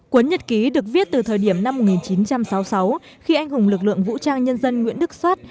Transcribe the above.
quấn nhật ký được viết từ thời điểm năm một nghìn chín trăm sáu mươi sáu khi anh hùng lực lượng vũ trang nhân dân nguyễn đức soát